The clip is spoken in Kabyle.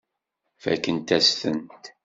Fakkent-as-tent.